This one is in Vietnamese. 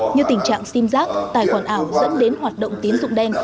như tình trạng sim giác tài khoản ảo dẫn đến hoạt động tín dụng đen